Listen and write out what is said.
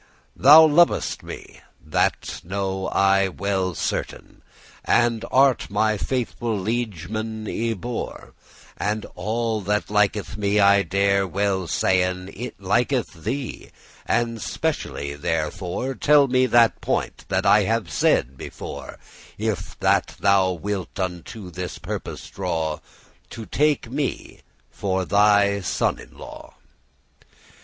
"Thou lovest me, that know I well certain, And art my faithful liegeman y bore,* *born And all that liketh me, I dare well sayn It liketh thee; and specially therefore Tell me that point, that I have said before, — If that thou wilt unto this purpose draw, To take me as for thy son in law."